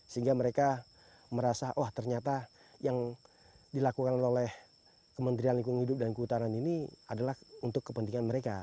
sehingga mereka merasa oh ternyata yang dilakukan oleh kementerian lingkungan hidup dan kehutanan ini adalah untuk kepentingan mereka